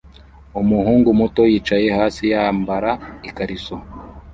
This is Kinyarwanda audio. Umuhungu muto yicaye hasi yambara ikariso